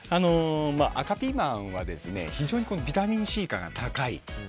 赤ピーマンは非常にビタミンＣが高い。